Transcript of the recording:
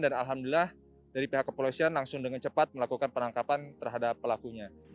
dan alhamdulillah dari pihak kepolisian langsung dengan cepat melakukan penangkapan terhadap pelakunya